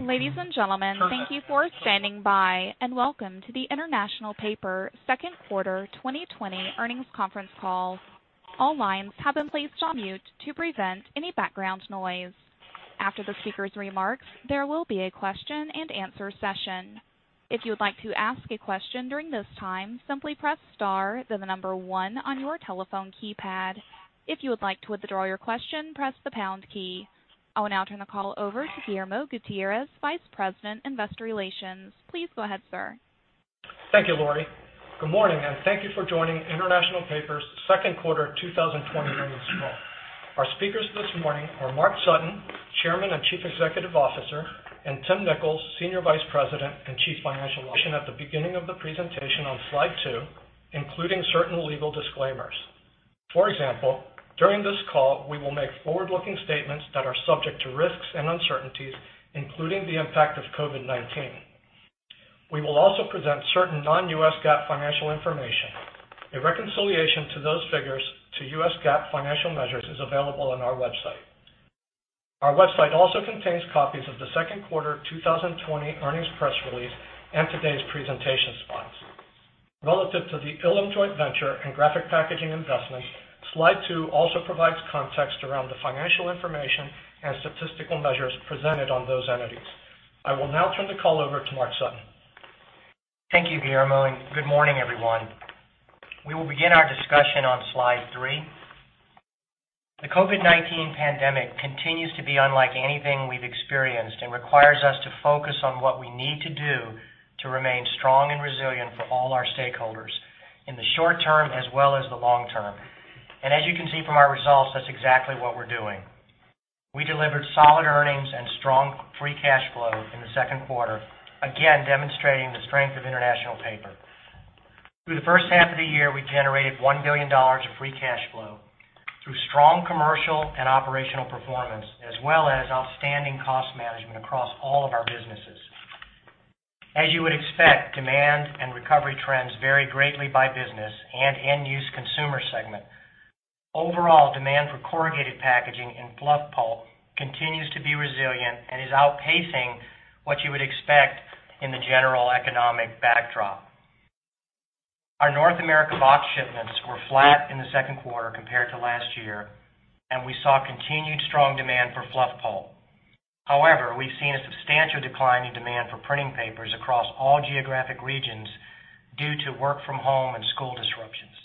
Ladies and gentlemen, thank you for standing by and welcome to the International Paper Second Quarter 2020 Earnings Conference Call. All lines have been placed on mute to prevent any background noise. After the speaker's remarks, there will be a question and answer session. If you would like to ask a question during this time, simply press star, then the number one on your telephone keypad. If you would like to withdraw your question, press the pound key. I will now turn the call over to Guillermo Gutierrez, Vice President, Investor Relations. Please go ahead, sir. Thank you, Lori. Good morning, and thank you for joining International Paper's Second Quarter 2020 Earnings Call. Our speakers this morning are Mark Sutton, Chairman and Chief Executive Officer, and Tim Nicholls, Senior Vice President and Chief Financial Officer. Mentioned at the beginning of the presentation on slide two, including certain legal disclaimers. For example, during this call, we will make forward-looking statements that are subject to risks and uncertainties, including the impact of COVID-19. We will also present certain non-U.S. GAAP financial information. A reconciliation to those figures to U.S. GAAP financial measures is available on our website. Our website also contains copies of the Second Quarter 2020 earnings press release and today's presentation slides. Relative to the Ilim Joint Venture and Graphic Packaging Investments, slide two also provides context around the financial information and statistical measures presented on those entities. I will now turn the call over to Mark Sutton. Thank you, Guillermo, and good morning, everyone. We will begin our discussion on slide three. The COVID-19 pandemic continues to be unlike anything we've experienced and requires us to focus on what we need to do to remain strong and resilient for all our stakeholders in the short term as well as the long term, and as you can see from our results, that's exactly what we're doing. We delivered solid earnings and strong free cash flow in the second quarter, again demonstrating the strength of International Paper. Through the first half of the year, we generated $1 billion of free cash flow through strong commercial and operational performance, as well as outstanding cost management across all of our businesses. As you would expect, demand and recovery trends vary greatly by business and end-use consumer segment. Overall, demand for corrugated packaging and fluff pulp continues to be resilient and is outpacing what you would expect in the general economic backdrop. Our North America box shipments were flat in the second quarter compared to last year, and we saw continued strong demand for fluff pulp. However, we've seen a substantial decline in demand for Printing Papers across all geographic regions due to work-from-home and school disruptions.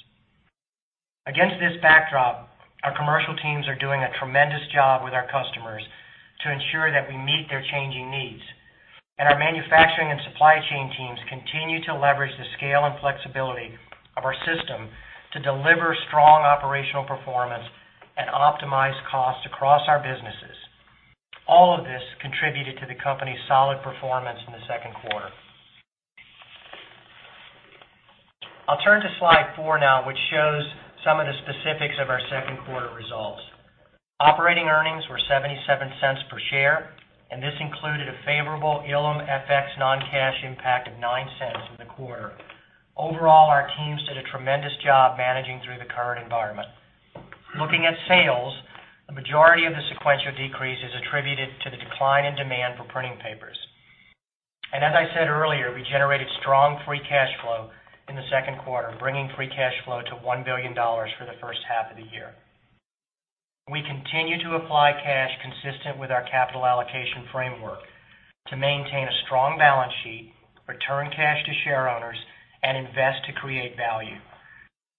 Against this backdrop, our commercial teams are doing a tremendous job with our customers to ensure that we meet their changing needs, and our manufacturing and supply chain teams continue to leverage the scale and flexibility of our system to deliver strong operational performance and optimize costs across our businesses. All of this contributed to the company's solid performance in the second quarter. I'll turn to slide four now, which shows some of the specifics of our second quarter results. Operating earnings were $0.77 per share, and this included a favorable Ilim FX non-cash impact of $0.09 in the quarter. Overall, our teams did a tremendous job managing through the current environment. Looking at sales, the majority of the sequential decrease is attributed to the decline in demand for Printing Papers. As I said earlier, we generated strong free cash flow in the second quarter, bringing free cash flow to $1 billion for the first half of the year. We continue to apply cash consistent with our capital allocation framework to maintain a strong balance sheet, return cash to share owners, and invest to create value.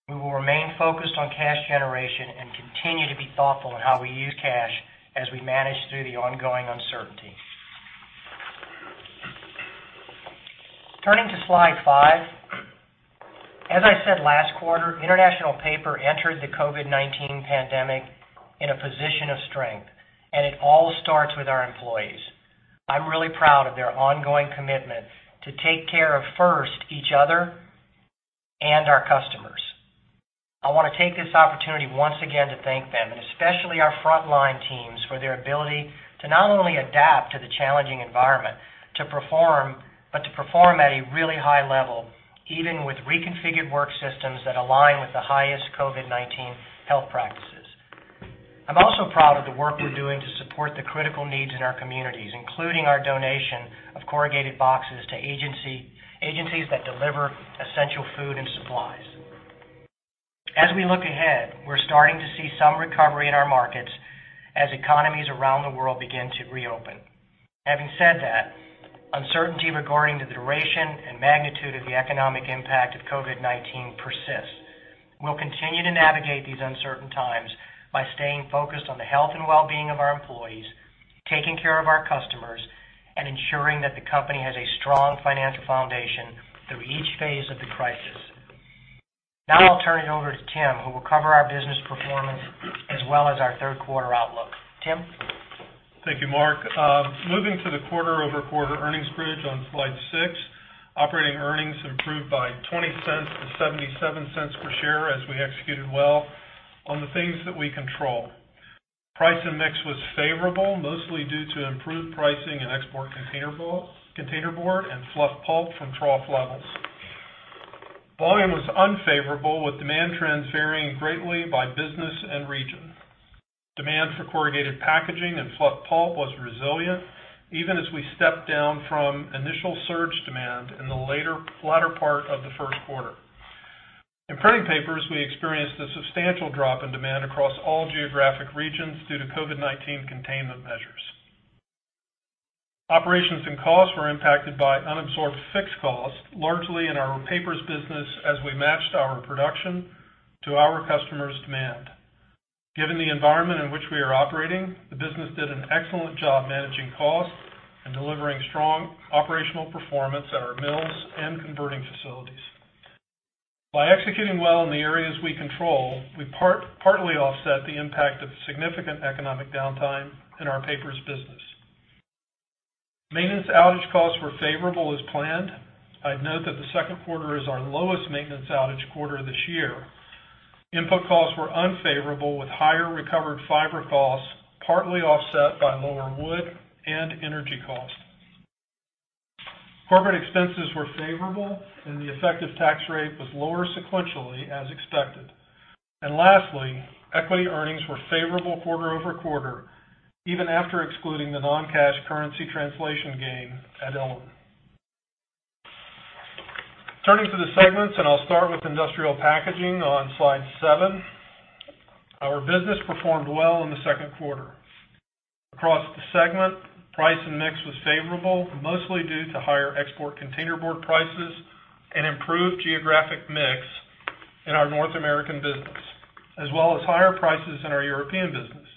We will remain focused on cash generation and continue to be thoughtful in how we use cash as we manage through the ongoing uncertainty. Turning to slide five, as I said last quarter, International Paper entered the COVID-19 pandemic in a position of strength, and it all starts with our employees. I'm really proud of their ongoing commitment to take care of first each other and our customers. I want to take this opportunity once again to thank them, and especially our frontline teams for their ability to not only adapt to the challenging environment to perform, but to perform at a really high level, even with reconfigured work systems that align with the highest COVID-19 health practices. I'm also proud of the work we're doing to support the critical needs in our communities, including our donation of corrugated boxes to agencies that deliver essential food and supplies. As we look ahead, we're starting to see some recovery in our markets as economies around the world begin to reopen. Having said that, uncertainty regarding the duration and magnitude of the economic impact of COVID-19 persists. We'll continue to navigate these uncertain times by staying focused on the health and well-being of our employees, taking care of our customers, and ensuring that the company has a strong financial foundation through each phase of the crisis. Now I'll turn it over to Tim, who will cover our business performance as well as our third quarter outlook. Tim. Thank you, Mark. Moving to the quarter-over-quarter earnings bridge on slide six, operating earnings improved by $0.20 to $0.77 per share as we executed well on the things that we control. Price and mix was favorable, mostly due to improved pricing and export containerboard and fluff pulp from trough levels. Volume was unfavorable, with demand trends varying greatly by business and region. Demand for corrugated packaging and fluff pulp was resilient, even as we stepped down from initial surge demand in the latter part of the first quarter. In printing papers, we experienced a substantial drop in demand across all geographic regions due to COVID-19 containment measures. Operations and costs were impacted by unabsorbed fixed costs, largely in our papers business as we matched our production to our customers' demand. Given the environment in which we are operating, the business did an excellent job managing costs and delivering strong operational performance at our mills and converting facilities. By executing well in the areas we control, we partly offset the impact of significant economic downtime in our papers business. Maintenance outage costs were favorable as planned. I'd note that the second quarter is our lowest maintenance outage quarter this year. Input costs were unfavorable, with higher recovered fiber costs partly offset by lower wood and energy costs. Corporate expenses were favorable, and the effective tax rate was lower sequentially as expected. And lastly, equity earnings were favorable quarter-over-quarter, even after excluding the non-cash currency translation gain at Ilim. Turning to the segments, and I'll start with Industrial Packaging on slide seven. Our business performed well in the second quarter. Across the segment, price and mix was favorable, mostly due to higher export containerboard prices and improved geographic mix in our North American business, as well as higher prices in our European business.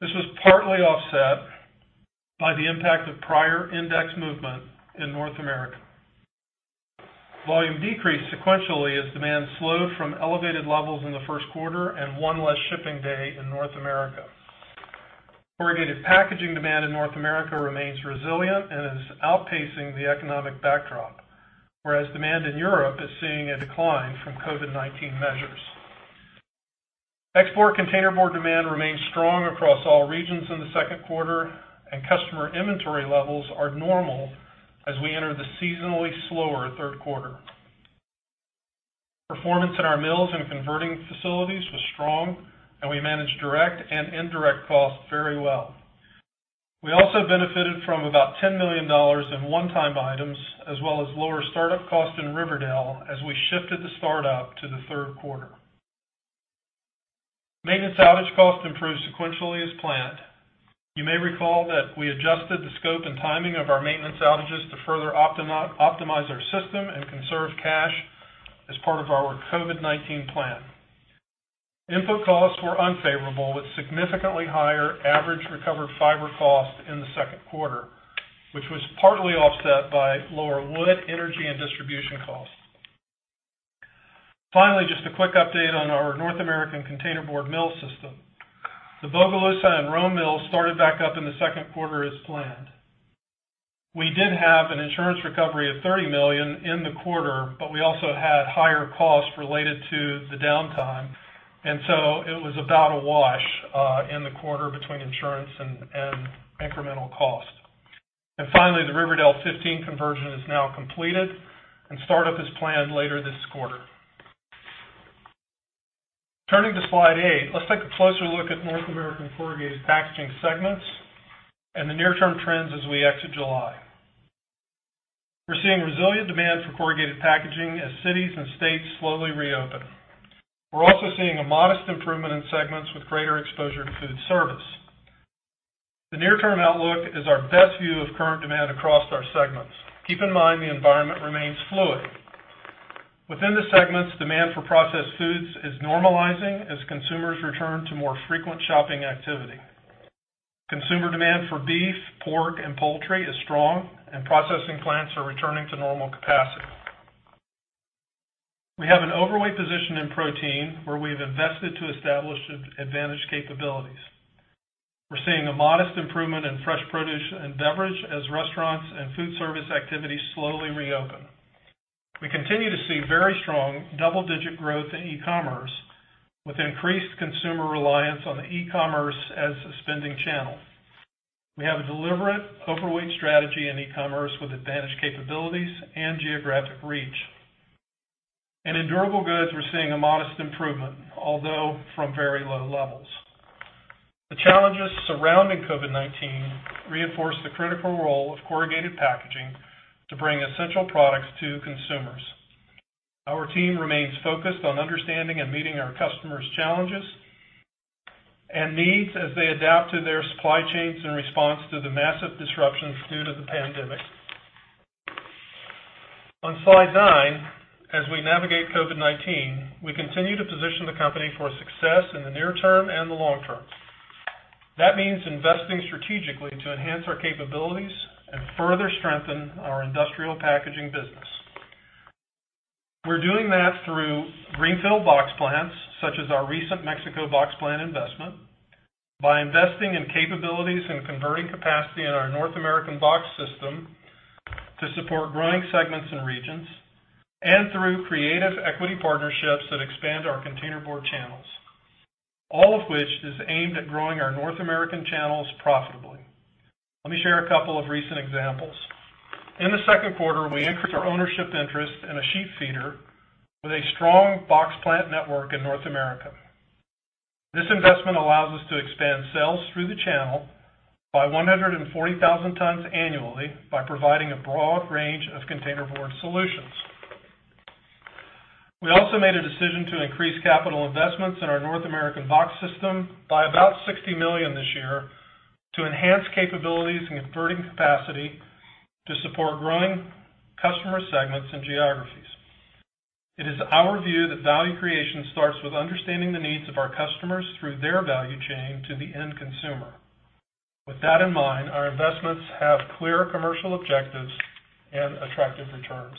This was partly offset by the impact of prior index movement in North America. Volume decreased sequentially as demand slowed from elevated levels in the first quarter and one less shipping day in North America. Corrugated packaging demand in North America remains resilient and is outpacing the economic backdrop, whereas demand in Europe is seeing a decline from COVID-19 measures. Export containerboard demand remained strong across all regions in the second quarter, and customer inventory levels are normal as we enter the seasonally slower third quarter. Performance in our mills and converting facilities was strong, and we managed direct and indirect costs very well. We also benefited from about $10 million in one-time items, as well as lower startup costs in Riverdale as we shifted the startup to the third quarter. Maintenance outage costs improved sequentially as planned. You may recall that we adjusted the scope and timing of our maintenance outages to further optimize our system and conserve cash as part of our COVID-19 plan. Input costs were unfavorable, with significantly higher average recovered fiber costs in the second quarter, which was partly offset by lower wood energy and distribution costs. Finally, just a quick update on our North American containerboard mill system. The Bogalusa and Rome mills started back up in the second quarter as planned. We did have an insurance recovery of $30 million in the quarter, but we also had higher costs related to the downtime, and so it was about a wash in the quarter between insurance and incremental cost, and finally, the Riverdale 15 conversion is now completed, and startup is planned later this quarter. Turning to slide eight, let's take a closer look at North American corrugated packaging segments and the near-term trends as we exit July. We're seeing resilient demand for corrugated packaging as cities and states slowly reopen. We're also seeing a modest improvement in segments with greater exposure to food service. The near-term outlook is our best view of current demand across our segments. Keep in mind the environment remains fluid. Within the segments, demand for processed foods is normalizing as consumers return to more frequent shopping activity. Consumer demand for beef, pork, and poultry is strong, and processing plants are returning to normal capacity. We have an overweight position in protein where we've invested to establish advantaged capabilities. We're seeing a modest improvement in fresh produce and beverage as restaurants and food service activities slowly reopen. We continue to see very strong double-digit growth in e-commerce with increased consumer reliance on the e-commerce as a spending channel. We have a deliberate overweight strategy in e-commerce with advantaged capabilities and geographic reach. In durable goods, we're seeing a modest improvement, although from very low levels. The challenges surrounding COVID-19 reinforce the critical role of corrugated packaging to bring essential products to consumers. Our team remains focused on understanding and meeting our customers' challenges and needs as they adapt to their supply chains in response to the massive disruptions due to the pandemic. On slide nine, as we navigate COVID-19, we continue to position the company for success in the near term and the long term. That means investing strategically to enhance our capabilities and further strengthen our industrial packaging business. We're doing that through greenfield box plants such as our recent Mexico box plant investment, by investing in capabilities and converting capacity in our North American box system to support growing segments and regions, and through creative equity partnerships that expand our containerboard channels, all of which is aimed at growing our North American channels profitably. Let me share a couple of recent examples. In the second quarter, we increased our ownership interest in a sheet feeder with a strong box plant network in North America. This investment allows us to expand sales through the channel by 140,000 tons annually by providing a broad range of containerboard solutions. We also made a decision to increase capital investments in our North American box system by about $60 million this year to enhance capabilities and converting capacity to support growing customer segments and geographies. It is our view that value creation starts with understanding the needs of our customers through their value chain to the end consumer. With that in mind, our investments have clear commercial objectives and attractive returns.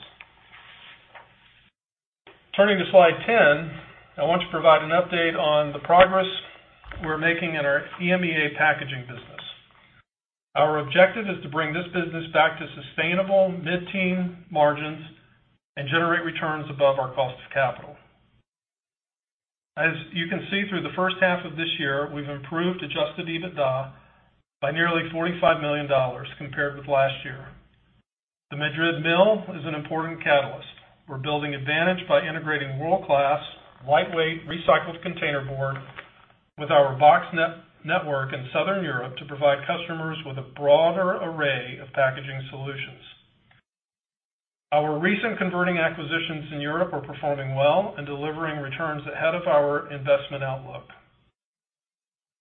Turning to slide 10, I want to provide an update on the progress we're making in our EMEA packaging business. Our objective is to bring this business back to sustainable mid-teen margins and generate returns above our cost of capital. As you can see through the first half of this year, we've improved adjusted EBITDA by nearly $45 million compared with last year. The Madrid mill is an important catalyst. We're building advantage by integrating world-class, lightweight, recycled containerboard with our box network in Southern Europe to provide customers with a broader array of packaging solutions. Our recent converting acquisitions in Europe are performing well and delivering returns ahead of our investment outlook.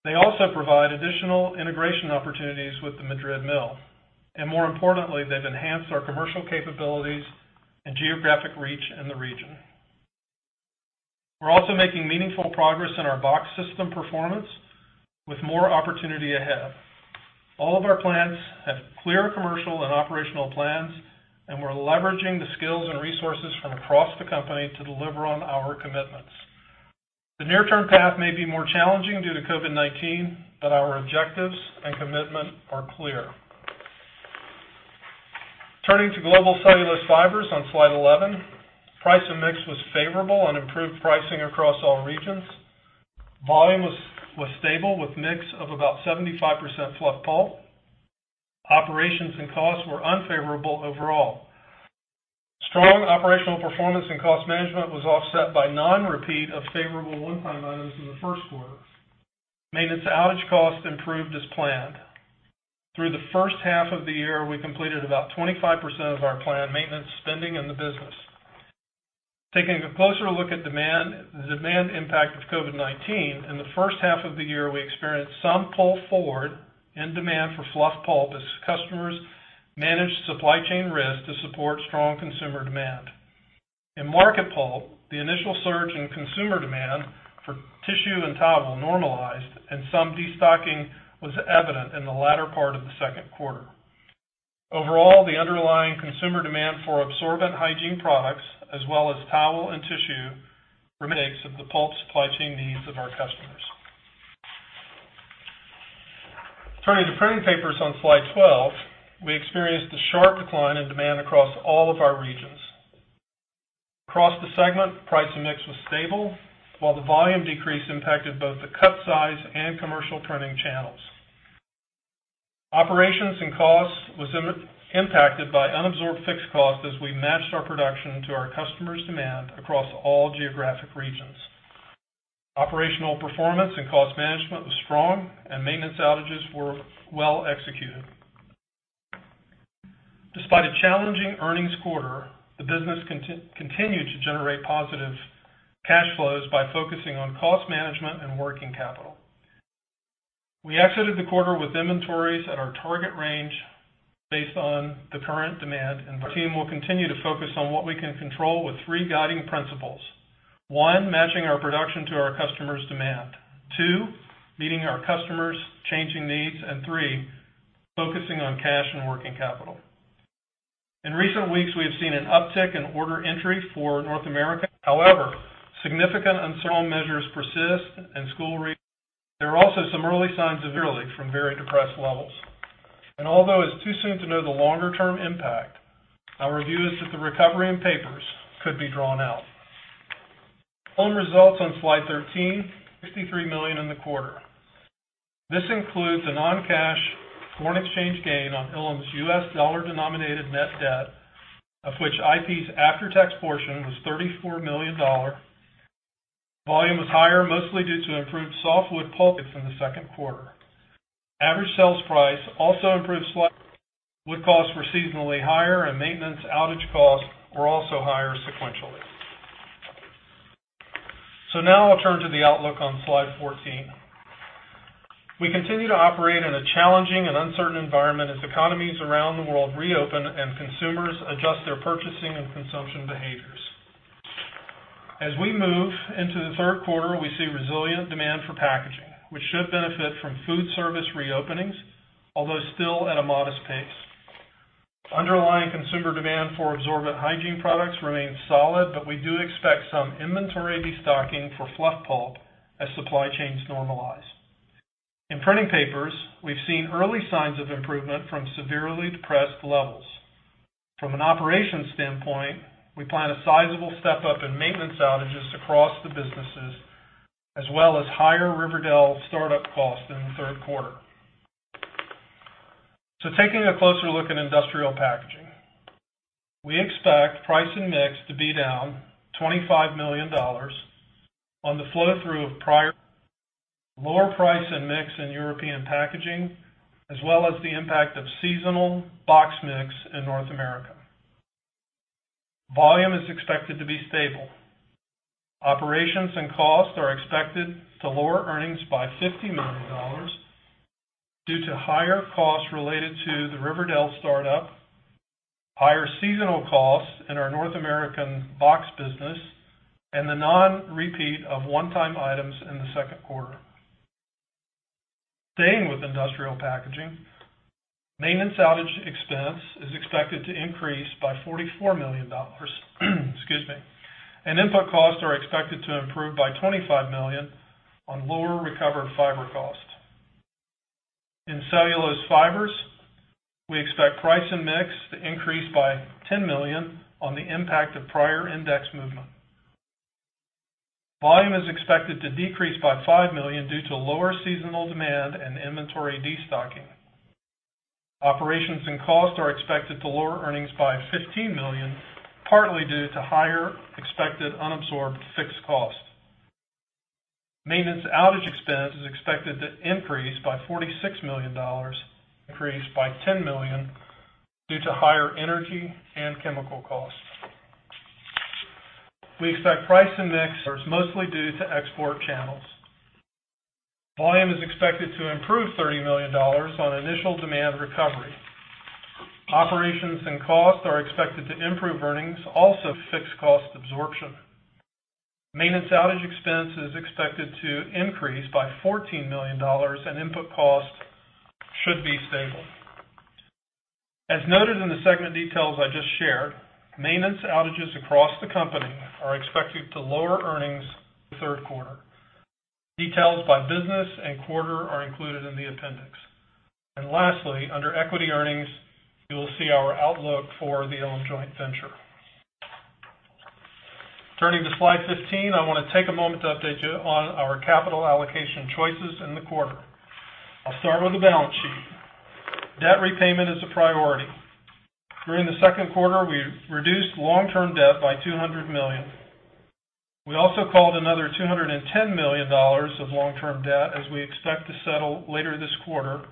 They also provide additional integration opportunities with the Madrid mill, and more importantly, they've enhanced our commercial capabilities and geographic reach in the region. We're also making meaningful progress in our box system performance with more opportunity ahead. All of our plants have clear commercial and operational plans, and we're leveraging the skills and resources from across the company to deliver on our commitments. The near-term path may be more challenging due to COVID-19, but our objectives and commitment are clear. Turning to Global Cellulose Fibers on slide 11, price and mix was favorable and improved pricing across all regions. Volume was stable with mix of about 75% fluff pulp. Operations and costs were unfavorable overall. Strong operational performance and cost management was offset by non-repeat of favorable one-time items in the first quarter. Maintenance outage costs improved as planned. Through the first half of the year, we completed about 25% of our planned maintenance spending in the business. Taking a closer look at demand, the demand impact of COVID-19, in the first half of the year, we experienced some pull forward in demand for fluff pulp as customers managed supply chain risk to support strong consumer demand. In market pulp, the initial surge in consumer demand for tissue and towel normalized, and some destocking was evident in the latter part of the second quarter. Overall, the underlying consumer demand for absorbent hygiene products, as well as towel and tissue, remains a result of the pulp supply chain needs of our customers. Turning to printing papers on slide 12, we experienced a sharp decline in demand across all of our regions. Across the segment, price and mix was stable, while the volume decrease impacted both the cut-size and commercial printing channels. Operations and costs were impacted by unabsorbed fixed costs as we matched our production to our customers' demand across all geographic regions. Operational performance and cost management were strong, and maintenance outages were well executed. Despite a challenging earnings quarter, the business continued to generate positive cash flows by focusing on cost management and working capital. We exited the quarter with inventories at our target range based on the current demand and our team will continue to focus on what we can control with three guiding principles. One, matching our production to our customers' demand. Two, meeting our customers' changing needs. And three, focusing on cash and working capital. In recent weeks, we have seen an uptick in order entry for North America. However, significant destocking persists in papers. There are also some early signs of recovery from very depressed levels. And although it's too soon to know the longer-term impact, our view is that the recovery in papers could be drawn out. Ilim results on slide 13, $63 million in the quarter. This includes a non-cash foreign exchange gain on Ilim's U.S. dollar-denominated net debt, of which IP's after-tax portion was $34 million. Volume was higher, mostly due to improved softwood pulp in the second quarter. Average sales price also improved slightly. Wood costs were seasonally higher, and maintenance outage costs were also higher sequentially. So now I'll turn to the outlook on slide 14. We continue to operate in a challenging and uncertain environment as economies around the world reopen and consumers adjust their purchasing and consumption behaviors. As we move into the third quarter, we see resilient demand for packaging, which should benefit from food service reopenings, although still at a modest pace. Underlying consumer demand for absorbent hygiene products remains solid, but we do expect some inventory destocking for fluff pulp as supply chains normalize. In printing papers, we've seen early signs of improvement from severely depressed levels. From an operations standpoint, we plan a sizable step up in maintenance outages across the businesses, as well as higher Riverdale startup costs in the third quarter, so taking a closer look at industrial packaging, we expect price and mix to be down $25 million on the flow-through of prior lower price and mix in European packaging, as well as the impact of seasonal box mix in North America. Volume is expected to be stable. Operations and costs are expected to lower earnings by $50 million due to higher costs related to the Riverdale startup, higher seasonal costs in our North American box business, and the non-repeat of one-time items in the second quarter. Staying with industrial packaging, maintenance outage expense is expected to increase by $44 million. Excuse me, and input costs are expected to improve by $25 million on lower recovered fiber costs. In cellulose fibers, we expect price and mix to increase by $10 million on the impact of prior index movement. Volume is expected to decrease by $5 million due to lower seasonal demand and inventory destocking. Operations and costs are expected to lower earnings by $15 million, partly due to higher expected unabsorbed fixed costs. Maintenance outage expense is expected to increase by $46 million, increased by $10 million due to higher energy and chemical costs. We expect price and mix, mostly due to export channels. Volume is expected to improve $30 million on initial demand recovery. Operations and costs are expected to improve earnings, also fixed cost absorption. Maintenance outage expense is expected to increase by $14 million, and input costs should be stable. As noted in the segment details I just shared, maintenance outages across the company are expected to lower earnings in the third quarter. Details by business and quarter are included in the appendix, and lastly, under equity earnings, you will see our outlook for the Ilim Joint Venture. Turning to slide 15, I want to take a moment to update you on our capital allocation choices in the quarter. I'll start with the balance sheet. Debt repayment is a priority. During the second quarter, we reduced long-term debt by $200 million. We also called another $210 million of long-term debt as we expect to settle later this quarter,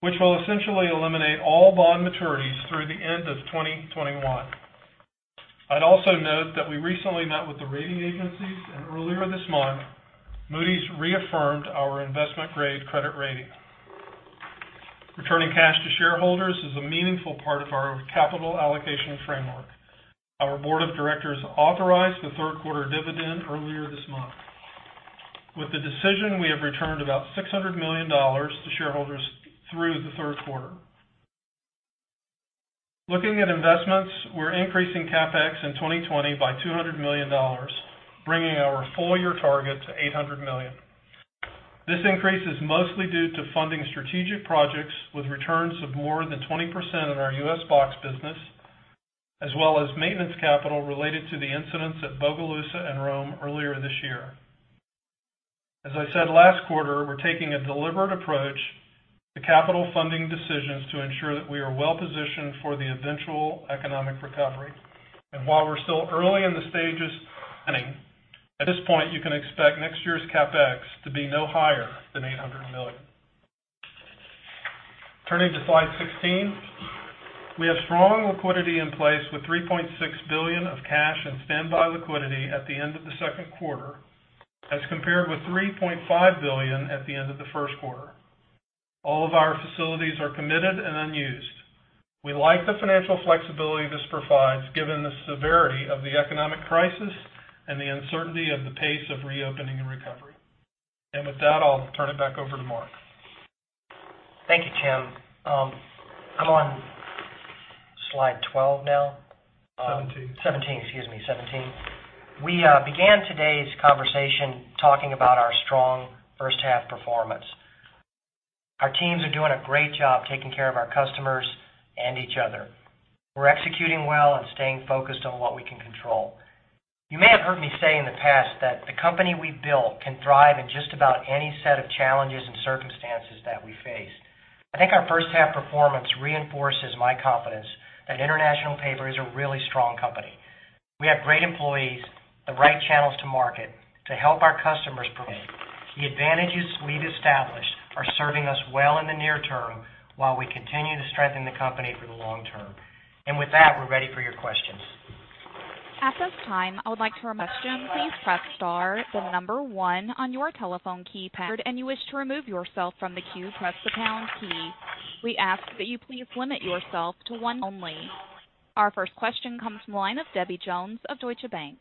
which will essentially eliminate all bond maturities through the end of 2021. I'd also note that we recently met with the rating agencies, and earlier this month, Moody's reaffirmed our investment-grade credit rating. Returning cash to shareholders is a meaningful part of our capital allocation framework. Our Board of Directors authorized the third-quarter dividend earlier this month. With the decision, we have returned about $600 million to shareholders through the third quarter. Looking at investments, we're increasing CapEx in 2020 by $200 million, bringing our full-year target to $800 million. This increase is mostly due to funding strategic projects with returns of more than 20% in our U.S. box business, as well as maintenance capital related to the incidents at Bogalusa and Rome earlier this year. As I said last quarter, we're taking a deliberate approach to capital funding decisions to ensure that we are well-positioned for the eventual economic recovery. While we're still early in the stages of planning, at this point, you can expect next year's CapEx to be no higher than $800 million. Turning to slide 16, we have strong liquidity in place with $3.6 billion of cash and standby liquidity at the end of the second quarter, as compared with $3.5 billion at the end of the first quarter. All of our facilities are committed and unused. We like the financial flexibility this provides, given the severity of the economic crisis and the uncertainty of the pace of reopening and recovery, and with that, I'll turn it back over to Mark. Thank you, Tim. I'm on slide 17 now. We began today's conversation talking about our strong first-half performance. Our teams are doing a great job taking care of our customers and each other. We're executing well and staying focused on what we can control. You may have heard me say in the past that the company we built can thrive in just about any set of challenges and circumstances that we face. I think our first-half performance reinforces my confidence that International Paper is a really strong company. We have great employees, the right channels to market to help our customers provide. The advantages we've established are serving us well in the near term while we continue to strengthen the company for the long term. And with that, we're ready for your questions. At this time, I would like to remind you, please press star, the number one on your telephone keypad, and you wish to remove yourself from the queue, press the pound key. We ask that you please limit yourself to one only. Our first question comes from the line of Debbie Jones of Deutsche Bank.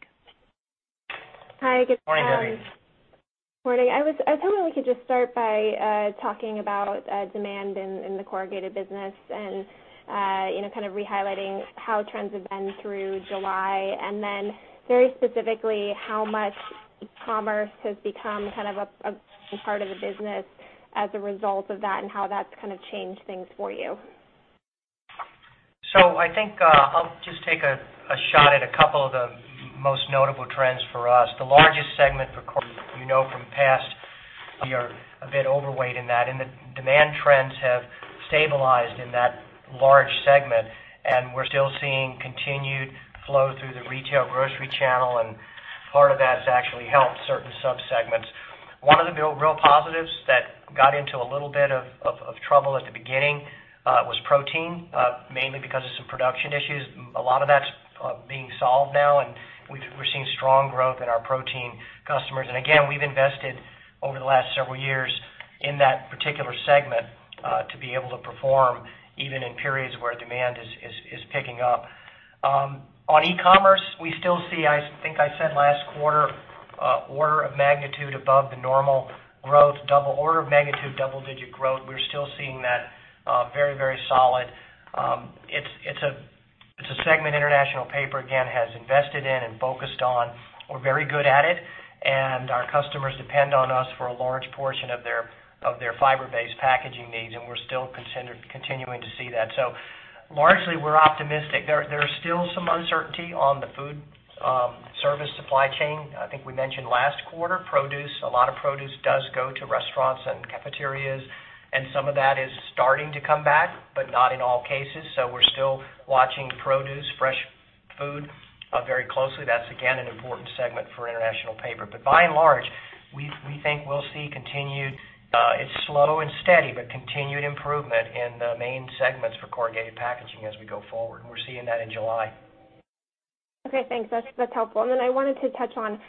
Hi, good morning. Morning, Debbie. Morning. I was hoping we could just start by talking about demand in the corrugated business and kind of re-highlighting how trends have been through July, and then very specifically how much e-commerce has become kind of a part of the business as a result of that and how that's kind of changed things for you? So I think I'll just take a shot at a couple of the most notable trends for us. The largest segment, you know from past, we are a bit overweight in that, and the demand trends have stabilized in that large segment, and we're still seeing continued flow through the retail grocery channel, and part of that has actually helped certain subsegments. One of the real positives that got into a little bit of trouble at the beginning was protein, mainly because of some production issues. A lot of that's being solved now, and we're seeing strong growth in our protein customers. And again, we've invested over the last several years in that particular segment to be able to perform even in periods where demand is picking up. On e-commerce, we still see, I think I said last quarter, order of magnitude above the normal growth, order of magnitude double-digit growth. We're still seeing that very, very solid. It's a segment International Paper again has invested in and focused on. We're very good at it, and our customers depend on us for a large portion of their fiber-based packaging needs, and we're still continuing to see that. So largely, we're optimistic. There's still some uncertainty on the food service supply chain. I think we mentioned last quarter, produce, a lot of produce does go to restaurants and cafeterias, and some of that is starting to come back, but not in all cases. So we're still watching produce, fresh food, very closely. That's, again, an important segment for International Paper. But by and large, we think we'll see continued, it's slow and steady, but continued improvement in the main segments for corrugated packaging as we go forward. We're seeing that in July. Okay, thanks. That's helpful. And then I wanted to touch on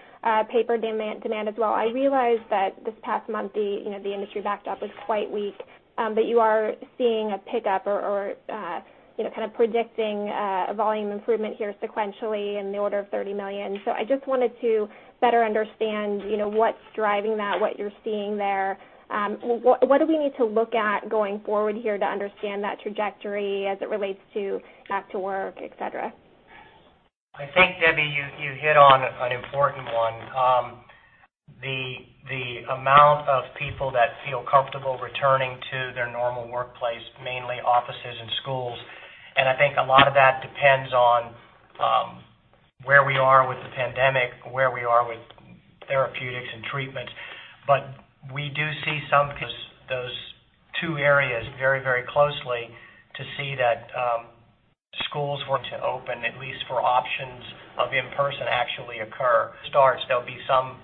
paper demand as well. I realized that this past month, the industry backed up was quite weak, but you are seeing a pickup or kind of predicting a volume improvement here sequentially in the order of $30 million. So I just wanted to better understand what's driving that, what you're seeing there. What do we need to look at going forward here to understand that trajectory as it relates to back to work, etc.? I think, Debbie, you hit on an important one. The amount of people that feel comfortable returning to their normal workplace, mainly offices and schools. And I think a lot of that depends on where we are with the pandemic, where we are with therapeutics and treatments. But we do see some, those two areas very, very closely, to see that schools were to open, at least for options of in-person actually occur. Starts, there'll be some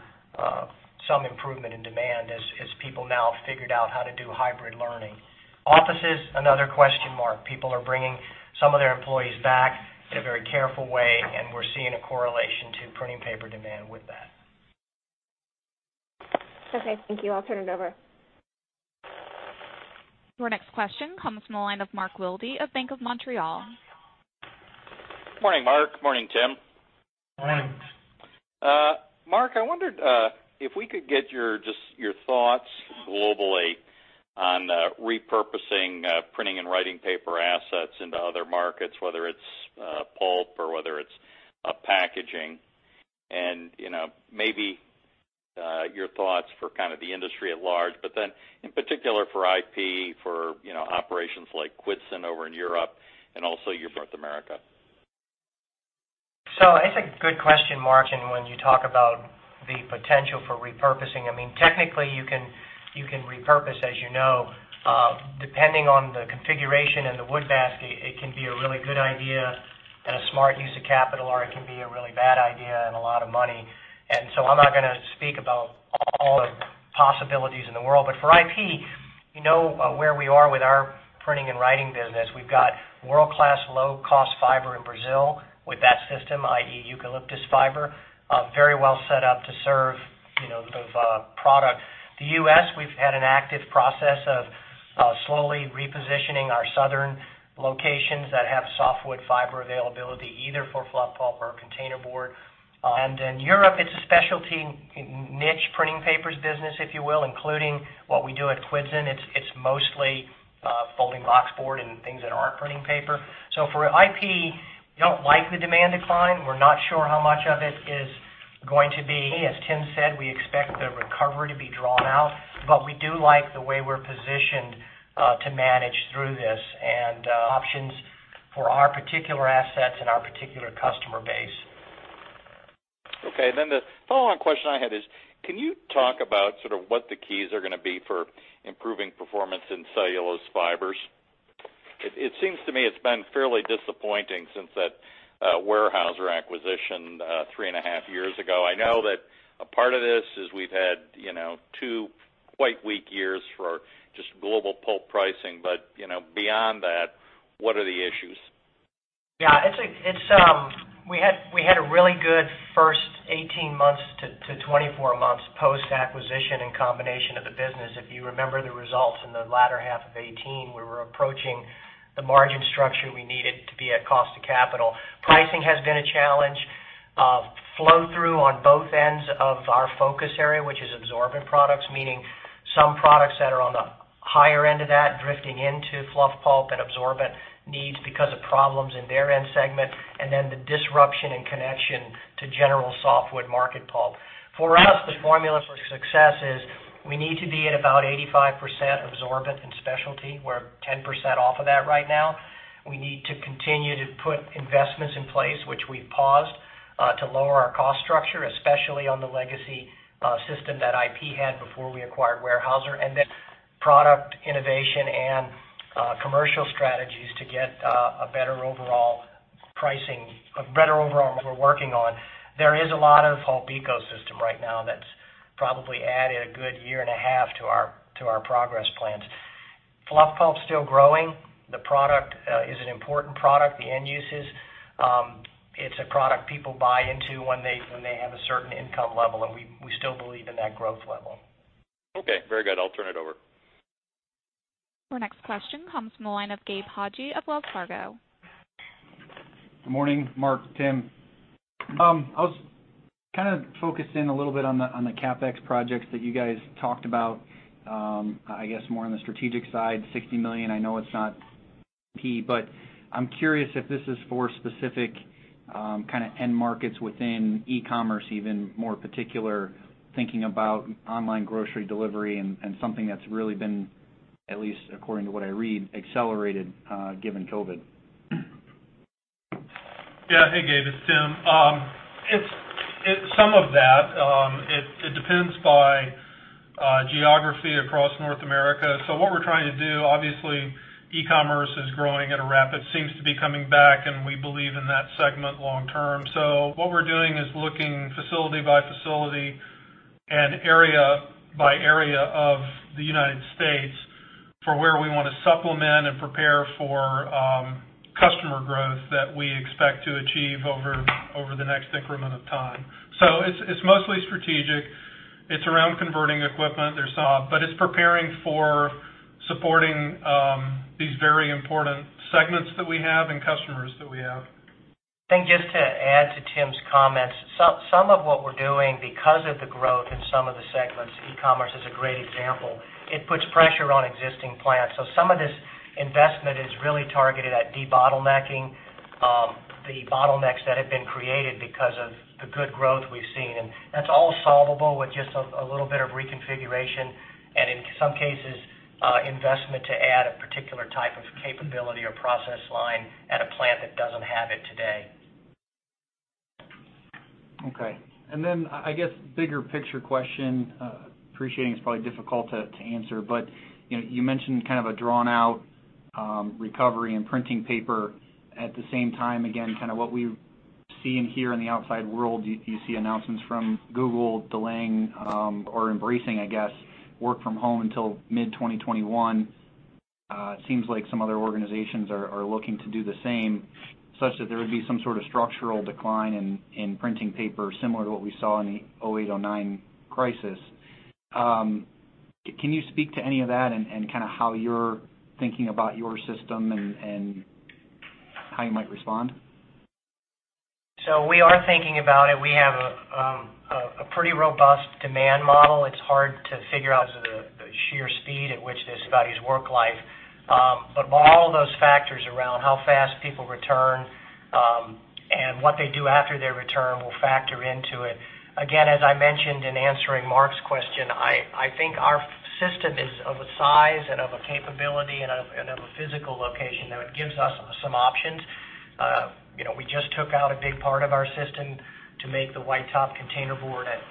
improvement in demand as people now have figured out how to do hybrid learning. Offices, another question mark. People are bringing some of their employees back in a very careful way, and we're seeing a correlation to printing paper demand with that. Okay, thank you. I'll turn it over. Our next question comes from the line of Mark Wilde of Bank of Montreal. Morning, Mark. Morning, Tim. Morning. Mark, I wondered if we could get your thoughts globally on repurposing printing and writing paper assets into other markets, whether it's pulp or whether it's packaging, and maybe your thoughts for kind of the industry at large, but then in particular for IP, for operations like Kwidzyn over in Europe and also your North America? So it's a good question, Mark, and when you talk about the potential for repurposing, I mean, technically, you can repurpose, as you know, depending on the configuration and the wood basket, it can be a really good idea and a smart use of capital, or it can be a really bad idea and a lot of money. And so I'm not going to speak about all the possibilities in the world. But for IP, you know where we are with our printing and writing business. We've got world-class low-cost fiber in Brazil with that system, i.e., eucalyptus fiber, very well set up to serve the product. The U.S., we've had an active process of slowly repositioning our southern locations that have softwood fiber availability either for fluff pulp or containerboard. And in Europe, it's a specialty niche Printing Papers business, if you will, including what we do at Kwidzyn. It's mostly folding boxboard and things that aren't printing paper. So for IP, we don't like the demand decline. We're not sure how much of it is going to be. As Tim said, we expect the recovery to be drawn out, but we do like the way we're positioned to manage through this and options for our particular assets and our particular customer base. Okay, then the follow-on question I had is, can you talk about sort of what the keys are going to be for improving performance in cellulose fibers? It seems to me it's been fairly disappointing since that Weyerhaeuser acquisition three and a half years ago. I know that a part of this is we've had two quite weak years for just global pulp pricing, but beyond that, what are the issues? Yeah, we had a really good first 18 months to 24 months post-acquisition and combination of the business. If you remember the results in the latter half of 2018, we were approaching the margin structure we needed to be at cost of capital. Pricing has been a challenge. Flow-through on both ends of our focus area, which is absorbent products, meaning some products that are on the higher end of that, drifting into fluff pulp and absorbent needs because of problems in their end segment, and then the disruption and connection to general softwood market pulp. For us, the formula for success is we need to be at about 85% absorbent and specialty. We're 10% off of that right now. We need to continue to put investments in place, which we've paused, to lower our cost structure, especially on the legacy system that IP had before we acquired Weyerhaeuser, and then product innovation and commercial strategies to get a better overall pricing, a better overall we're working on. There is a lot of pulp ecosystem right now that's probably added a good year and a half to our progress plans. Fluff pulp's still growing. The product is an important product. The end uses, it's a product people buy into when they have a certain income level, and we still believe in that growth level. Okay, very good. I'll turn it over. Our next question comes from the line of Gabe Hajde of Wells Fargo. Good morning, Mark, Tim. I was kind of focusing a little bit on the CapEx projects that you guys talked about, I guess more on the strategic side, $60 million. I know it's not IP, but I'm curious if this is for specific kind of end markets within e-commerce, even more particular thinking about online grocery delivery and something that's really been, at least according to what I read, accelerated given COVID. Yeah, hey, Gabe. It's Tim. It's some of that. It depends by geography across North America. So what we're trying to do, obviously, e-commerce is growing at a rapid, seems to be coming back, and we believe in that segment long term. So what we're doing is looking facility by facility and area by area of the United States for where we want to supplement and prepare for customer growth that we expect to achieve over the next increment of time. So it's mostly strategic. It's around converting equipment, but it's preparing for supporting these very important segments that we have and customers that we have. And just to add to Tim's comments, some of what we're doing because of the growth in some of the segments, e-commerce is a great example, it puts pressure on existing plants. So some of this investment is really targeted at debottlenecking the bottlenecks that have been created because of the good growth we've seen. That's all solvable with just a little bit of reconfiguration and, in some cases, investment to add a particular type of capability or process line at a plant that doesn't have it today. Okay. And then I guess bigger picture question, appreciating it's probably difficult to answer, but you mentioned kind of a drawn-out recovery in printing paper. At the same time, again, kind of what we see in here in the outside world, you see announcements from Google delaying or embracing, I guess, work from home until mid-2021. It seems like some other organizations are looking to do the same, such that there would be some sort of structural decline in printing paper similar to what we saw in the 2008, 2009 crisis. Can you speak to any of that and kind of how you're thinking about your system and how you might respond? So we are thinking about it. We have a pretty robust demand model. It's hard to figure out the sheer speed at which this values work-life. But all those factors around how fast people return and what they do after their return will factor into it. Again, as I mentioned in answering Mark's question, I think our system is of a size and of a capability and of a physical location that gives us some options. We just took out a big part of our system to make the white-top containerboard at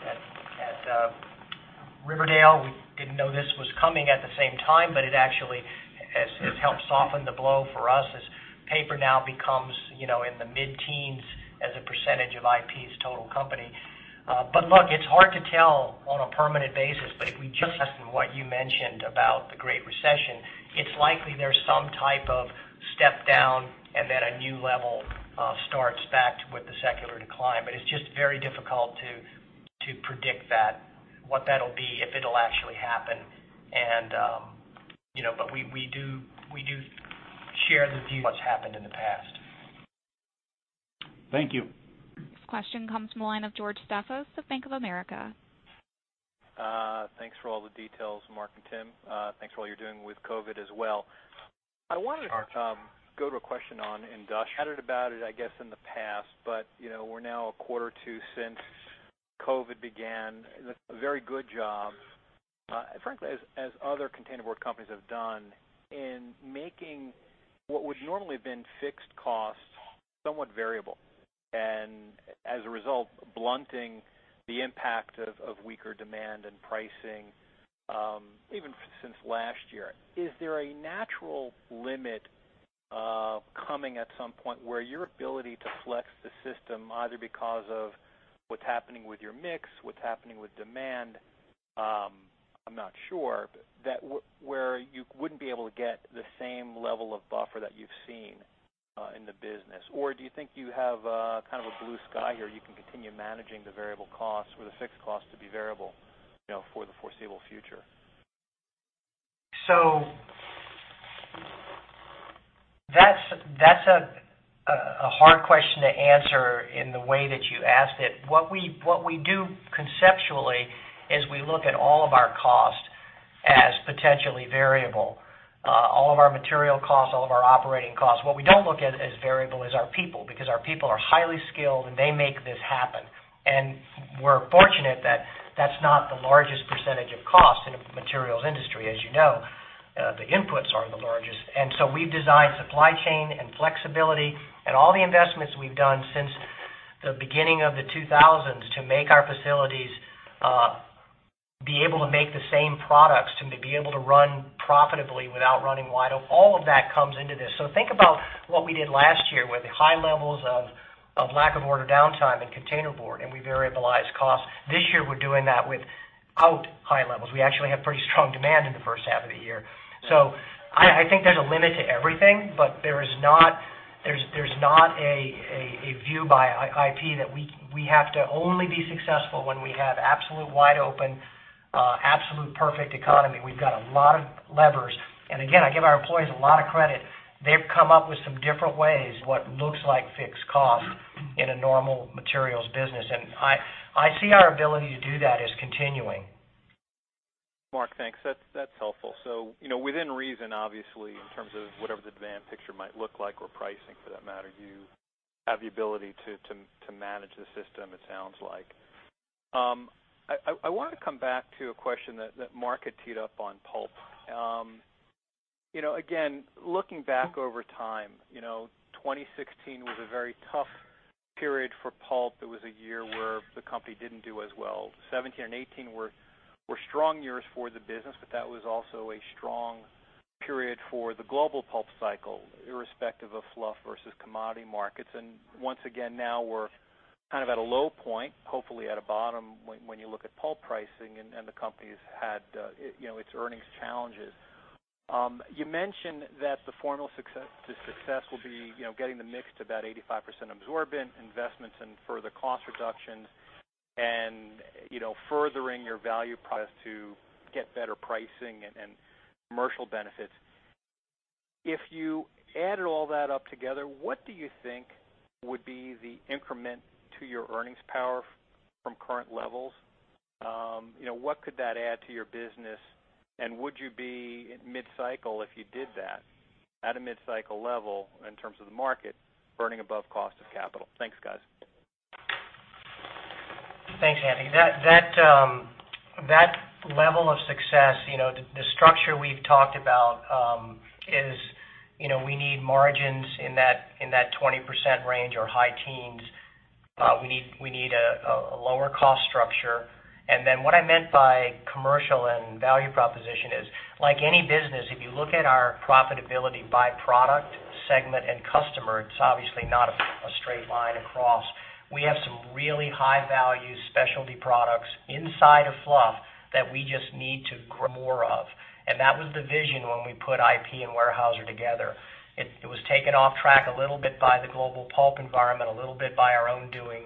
Riverdale. We didn't know this was coming at the same time, but it actually has helped soften the blow for us as paper now becomes in the mid-teens percentage of IP's total company. But look, it's hard to tell on a permanent basis, but if we just listen to what you mentioned about the Great Recession, it's likely there's some type of step down and then a new level starts back with the secular decline. But it's just very difficult to predict what that'll be if it'll actually happen. But we do share the view of what's happened in the past. Thank you. Next question comes from the line of George Staphos of Bank of America. Thanks for all the details, Mark and Tim. Thanks for all you're doing with COVID as well. I wanted to go to a question on industrial. We chatted about it, I guess, in the past, but we're now a quarter or two since COVID began. A very good job, frankly, as other containerboard companies have done in making what would normally have been fixed costs somewhat variable and, as a result, blunting the impact of weaker demand and pricing even since last year. Is there a natural limit coming at some point where your ability to flex the system, either because of what's happening with your mix, what's happening with demand, I'm not sure, where you wouldn't be able to get the same level of buffer that you've seen in the business? Or do you think you have kind of a blue sky here? You can continue managing the variable costs or the fixed costs to be variable for the foreseeable future? So that's a hard question to answer in the way that you asked it. What we do conceptually is we look at all of our costs as potentially variable. All of our material costs, all of our operating costs. What we don't look at as variable is our people because our people are highly skilled and they make this happen, and we're fortunate that that's not the largest percentage of cost in the materials industry, as you know. The inputs are the largest, and so we've designed supply chain and flexibility and all the investments we've done since the beginning of the 2000s to make our facilities be able to make the same products, to be able to run profitably without running wide. All of that comes into this, so think about what we did last year with the high levels of lack-of-order downtime and containerboard, and we variabilized costs. This year, we're doing that without high levels. We actually have pretty strong demand in the first half of the year. So I think there's a limit to everything, but there's not a view by IP that we have to only be successful when we have absolute wide open, absolute perfect economy. We've got a lot of levers. And again, I give our employees a lot of credit. They've come up with some different ways. What looks like fixed cost in a normal materials business. And I see our ability to do that as continuing. Mark, thanks. That's helpful. So within reason, obviously, in terms of whatever the demand picture might look like or pricing for that matter, you have the ability to manage the system, it sounds like. I want to come back to a question that Mark had teed up on pulp. Again, looking back over time, 2016 was a very tough period for pulp. It was a year where the company didn't do as well. 2017 and 2018 were strong years for the business, but that was also a strong period for the global pulp cycle, irrespective of fluff versus commodity markets. And once again, now we're kind of at a low point, hopefully at a bottom when you look at pulp pricing and the company's had its earnings challenges. You mentioned that the formula to success will be getting the mix to about 85% absorbent investments and further cost reductions and furthering your value process to get better pricing and commercial benefits. If you added all that up together, what do you think would be the increment to your earnings power from current levels? What could that add to your business? And would you be mid-cycle if you did that at a mid-cycle level in terms of the market, returning above cost of capital? Thanks, guys. Thanks, George. That level of success, the structure we've talked about is we need margins in that 20% range or high teens. We need a lower cost structure. And then what I meant by commercial and value proposition is, like any business, if you look at our profitability by product segment and customer, it's obviously not a straight line across. We have some really high-value specialty products inside of fluff that we just need to grow more of. And that was the vision when we put IP and Weyerhaeuser together. It was taken off track a little bit by the global pulp environment, a little bit by our own doing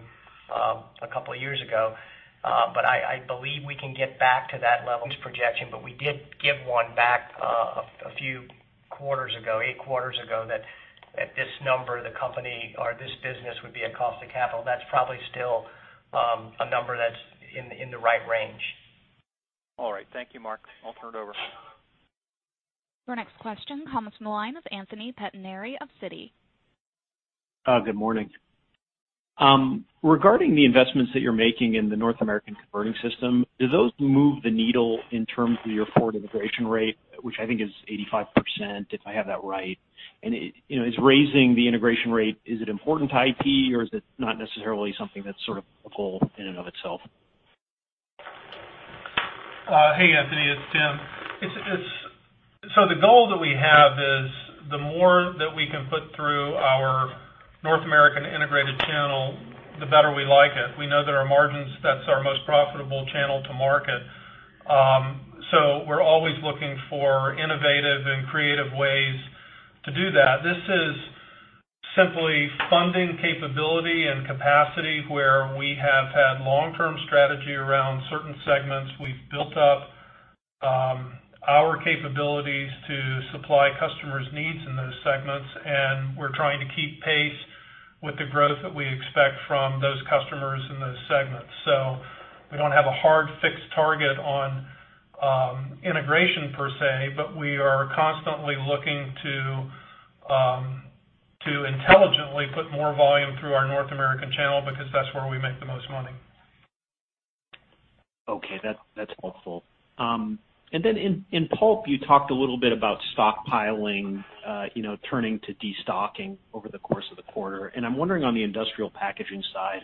a couple of years ago. But I believe we can get back to that level's projection, but we did give one back a few quarters ago, eight quarters ago, that this number, the company or this business would be at cost of capital. That's probably still a number that's in the right range. All right. Thank you, Mark. I'll turn it over. Our next question comes from the line of Anthony Pettinari of Citi. Good morning. Regarding the investments that you're making in the North American converting system, do those move the needle in terms of your forward integration rate, which I think is 85%, if I have that right? And is raising the integration rate, is it important to IP or is it not necessarily something that's sort of a goal in and of itself? Hey, Anthony, it's Tim. So the goal that we have is the more that we can put through our North American integrated channel, the better we like it. We know that our margins, that's our most profitable channel to market. So we're always looking for innovative and creative ways to do that. This is simply funding capability and capacity where we have had long-term strategy around certain segments. We've built up our capabilities to supply customers' needs in those segments, and we're trying to keep pace with the growth that we expect from those customers in those segments. So we don't have a hard fixed target on integration per se, but we are constantly looking to intelligently put more volume through our North American channel because that's where we make the most money. Okay. That's helpful. And then in pulp, you talked a little bit about stockpiling, turning to destocking over the course of the quarter. And I'm wondering on the industrial packaging side,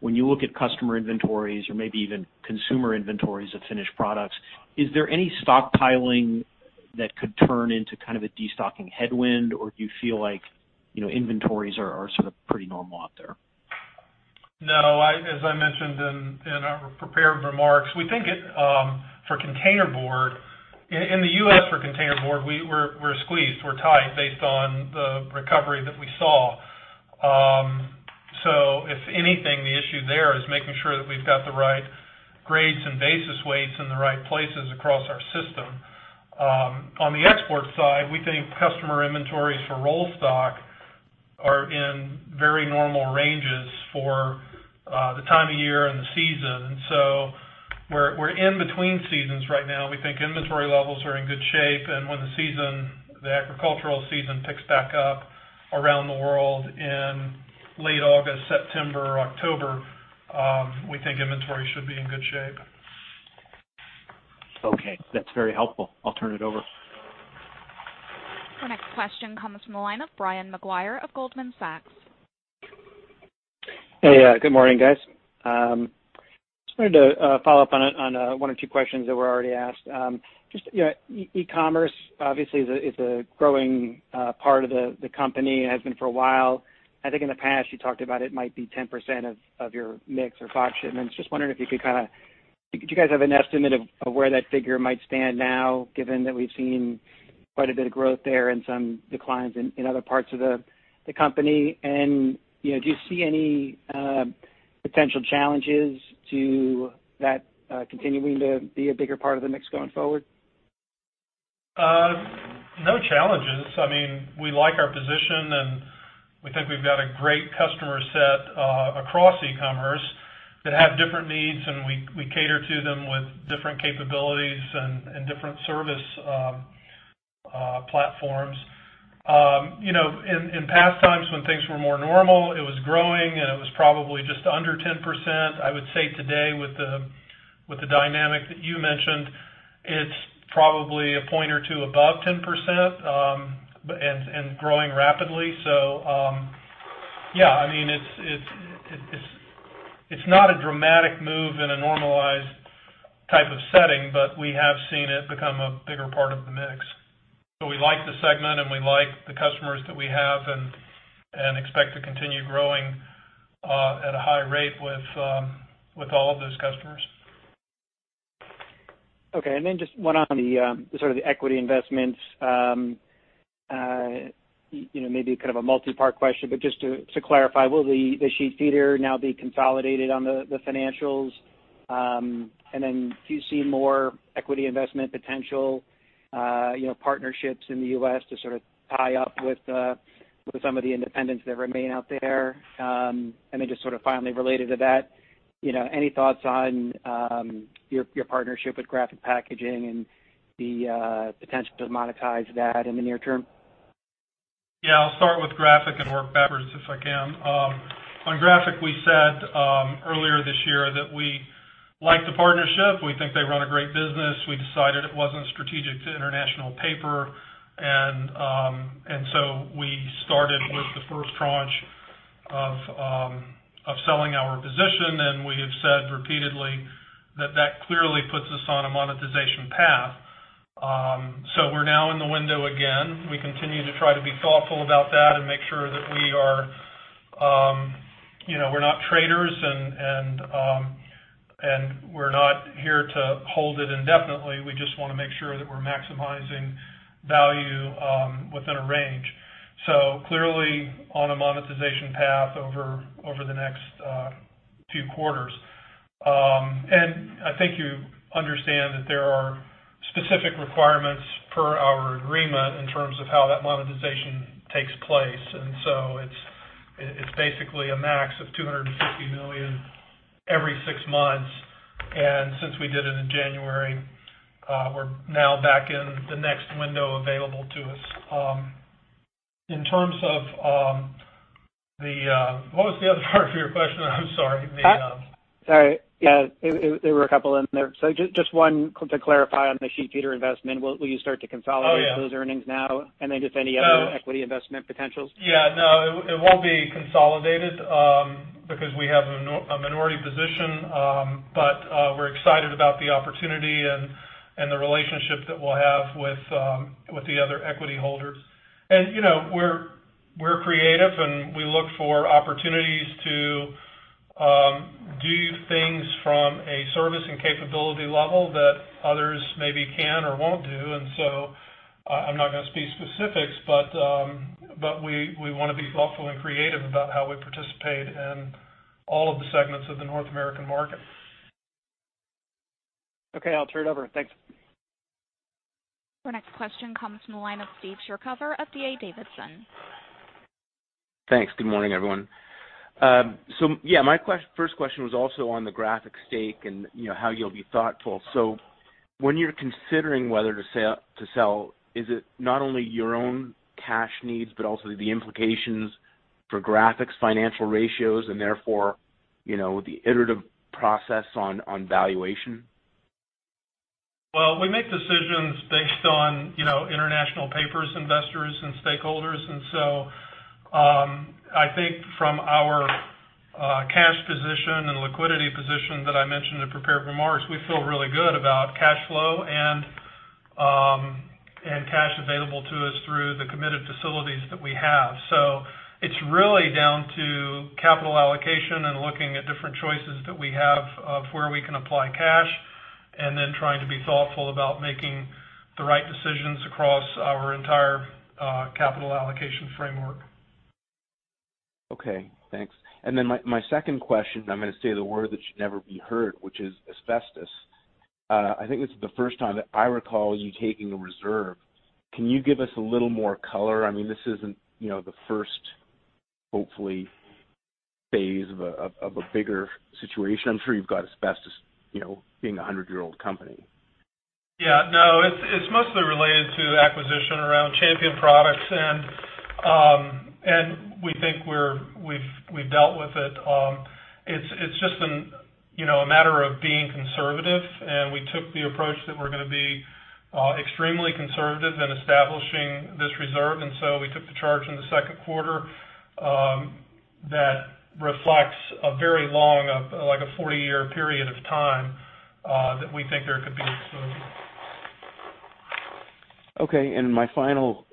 when you look at customer inventories or maybe even consumer inventories of finished products, is there any stockpiling that could turn into kind of a destocking headwind, or do you feel like inventories are sort of pretty normal out there? No, as I mentioned in our prepared remarks, we think for containerboard, in the U.S. for containerboard, we're squeezed. We're tight based on the recovery that we saw. So if anything, the issue there is making sure that we've got the right grades and basis weights in the right places across our system. On the export side, we think customer inventories for roll stock are in very normal ranges for the time of the year and the season. And so we're in between seasons right now. We think inventory levels are in good shape. And when the season, the agricultural season picks back up around the world in late August, September, October, we think inventory should be in good shape. Okay. That's very helpful. I'll turn it over. Our next question comes from the line of Brian Maguire of Goldman Sachs. Hey, good morning, guys. Just wanted to follow up on one or two questions that were already asked. Just e-commerce, obviously, is a growing part of the company and has been for a while. I think in the past, you talked about it might be 10% of your mix or five shipments. Just wondering if you could kind of, do you guys have an estimate of where that figure might stand now, given that we've seen quite a bit of growth there and some declines in other parts of the company? And do you see any potential challenges to that continuing to be a bigger part of the mix going forward? No challenges. I mean, we like our position, and we think we've got a great customer set across e-commerce that have different needs, and we cater to them with different capabilities and different service platforms. In past times, when things were more normal, it was growing, and it was probably just under 10%. I would say today, with the dynamic that you mentioned, it's probably a point or two above 10% and growing rapidly. So yeah, I mean, it's not a dramatic move in a normalized type of setting, but we have seen it become a bigger part of the mix. So we like the segment, and we like the customers that we have and expect to continue growing at a high rate with all of those customers. Okay. And then just one on the sort of the equity investments, maybe kind of a multi-part question, but just to clarify, will the sheet feeder now be consolidated on the financials? And then do you see more equity investment potential partnerships in the U.S. to sort of tie up with some of the independents that remain out there? And then just sort of finally related to that, any thoughts on your partnership with Graphic Packaging and the potential to monetize that in the near term? Yeah. I'll start with Graphic and work backwards if I can. On Graphic, we said earlier this year that we like the partnership. We think they run a great business. We decided it wasn't strategic to International Paper. And so we started with the first tranche of selling our position, and we have said repeatedly that that clearly puts us on a monetization path. So we're now in the window again. We continue to try to be thoughtful about that and make sure that we're not traders, and we're not here to hold it indefinitely. We just want to make sure that we're maximizing value within a range. So clearly on a monetization path over the next few quarters. And I think you understand that there are specific requirements per our agreement in terms of how that monetization takes place. So it's basically a max of $250 million every six months. And since we did it in January, we're now back in the next window available to us. In terms of what was the other part of your question? I'm sorry. Sorry. Yeah. There were a couple in there. So just one to clarify on the sheet feeder investment. Will you start to consolidate those earnings now? And then just any other equity investment potentials? Yeah. No, it won't be consolidated because we have a minority position, but we're excited about the opportunity and the relationship that we'll have with the other equity holders. And we're creative, and we look for opportunities to do things from a service and capability level that others maybe can or won't do. And so I'm not going to speak specifics, but we want to be thoughtful and creative about how we participate in all of the segments of the North American market. Okay. I'll turn it over. Thanks. Our next question comes from the line of Steve Chercover, D.A. Davidson. Thanks. Good morning, everyone. So yeah, my first question was also on the Graphic stake and how you'll be thoughtful. So when you're considering whether to sell, is it not only your own cash needs, but also the implications for Graphic's financial ratios and therefore the iterative process on valuation? Well, we make decisions based on International Paper's investors and stakeholders. And so I think from our cash position and liquidity position that I mentioned to prepare for the merger, we feel really good about cash flow and cash available to us through the committed facilities that we have. So it's really down to capital allocation and looking at different choices that we have of where we can apply cash and then trying to be thoughtful about making the right decisions across our entire capital allocation framework. Okay. Thanks. And then my second question, I'm going to say the word that should never be heard, which is asbestos. I think it's the first time that I recall you taking a reserve. Can you give us a little more color? I mean, this isn't the first, hopefully, phase of a bigger situation. I'm sure you've got asbestos being a 100-year-old company. Yeah. No, it's mostly related to acquisition around Champion products, and we think we've dealt with it. It's just a matter of being conservative, and we took the approach that we're going to be extremely conservative in establishing this reserve. And so we took the charge in the second quarter that reflects a very long, like a 40-year period of time that we think there could be a reserve. Okay. And my final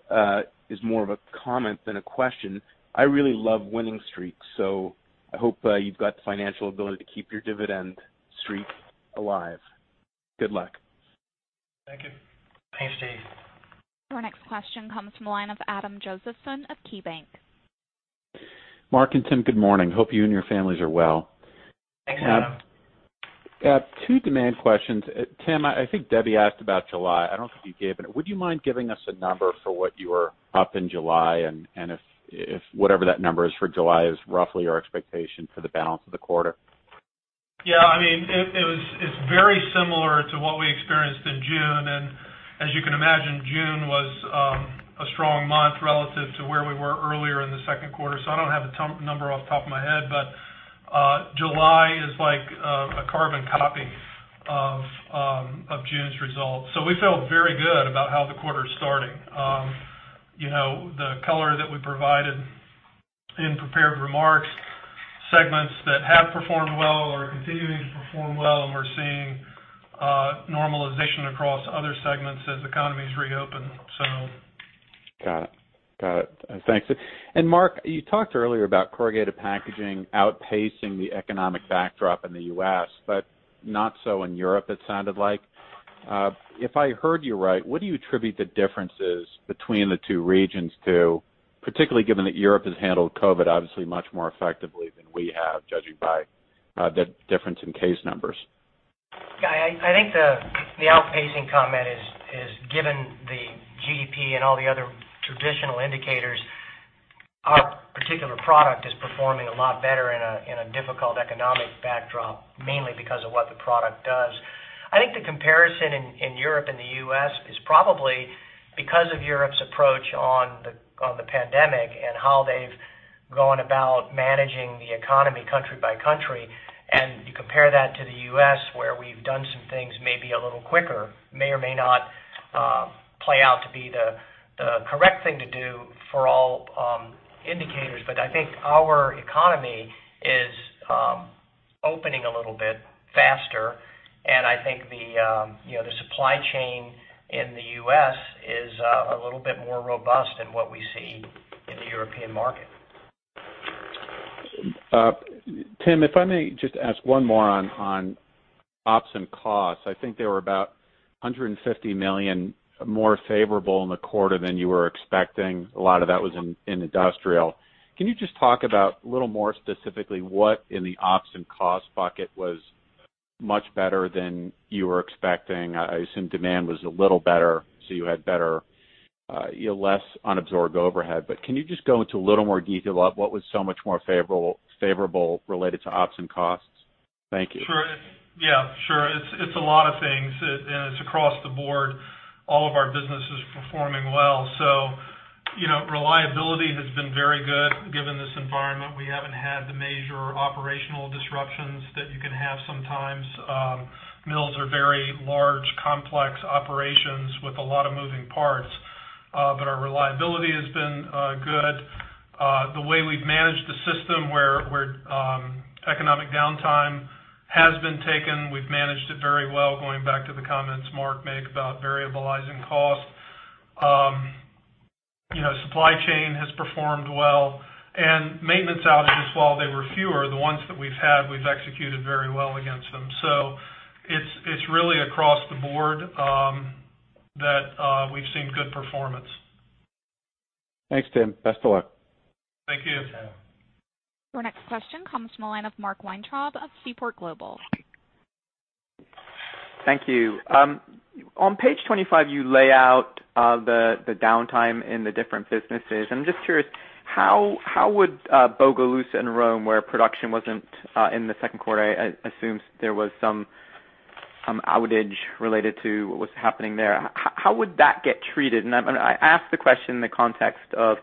is more of a comment than a question. I really love winning streaks, so I hope you've got the financial ability to keep your dividend streak alive. Good luck. Thank you. Thanks, Steve. Our next question comes from the line of Adam Josephson of KeyBanc. Mark and Tim, good morning. Hope you and your families are well. Thanks, Adam. Two demand questions. Tim, I think Debbie asked about July. I don't think you gave it. Would you mind giving us a number for what you were up in July and if whatever that number is for July is roughly your expectation for the balance of the quarter? Yeah. I mean, it's very similar to what we experienced in June. And as you can imagine, June was a strong month relative to where we were earlier in the second quarter. So I don't have a number off the top of my head, but July is like a carbon copy of June's results. So we feel very good about how the quarter is starting. The color that we provided in prepared remarks, segments that have performed well or are continuing to perform well, and we're seeing normalization across other segments as the economy is reopened, so. Got it. Got it. Thanks. And Mark, you talked earlier about corrugated packaging outpacing the economic backdrop in the U.S., but not so in Europe, it sounded like. If I heard you right, what do you attribute the differences between the two regions to, particularly given that Europe has handled COVID obviously much more effectively than we have, judging by the difference in case numbers? Yeah. I think the outpacing comment is given the GDP and all the other traditional indicators, our particular product is performing a lot better in a difficult economic backdrop, mainly because of what the product does. I think the comparison in Europe and the U.S. is probably because of Europe's approach on the pandemic and how they've gone about managing the economy country by country. And you compare that to the U.S., where we've done some things maybe a little quicker, may or may not play out to be the correct thing to do for all indicators. But I think our economy is opening a little bit faster, and I think the supply chain in the U.S. is a little bit more robust than what we see in the European market. Tim, if I may just ask one more on ops and costs. I think there were about $150 million more favorable in the quarter than you were expecting. A lot of that was in industrial. Can you just talk about a little more specifically what in the ops and costs bucket was much better than you were expecting? I assume demand was a little better, so you had better, less unabsorbed overhead. But can you just go into a little more detail about what was so much more favorable related to ops and costs? Thank you. Sure. Yeah. Sure. It's a lot of things, and it's across the board. All of our businesses are performing well. So reliability has been very good given this environment. We haven't had the major operational disruptions that you can have sometimes. Mills are very large, complex operations with a lot of moving parts, but our reliability has been good. The way we've managed the system where economic downtime has been taken, we've managed it very well going back to the comments Mark made about variabilizing cost. Supply chain has performed well. And maintenance outages, while they were fewer, the ones that we've had, we've executed very well against them. So it's really across the board that we've seen good performance. Thanks, Tim. Best of luck. Thank you. Our next question comes from the line of Mark Weintraub of Seaport Global. Thank you. On page 25, you lay out the downtime in the different businesses. I'm just curious, how would Bogalusa and Rome, where production wasn't in the second quarter, I assume there was some outage related to what was happening there, how would that get treated? I ask the question in the context of,